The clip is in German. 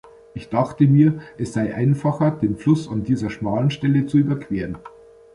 Ich dachte mir, es sei einfacher, den Fluss an dieser schmalen Stelle zu überqueren.